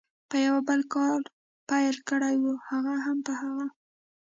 په یو بل کار پیل کړي وي، هغه هم په هغه.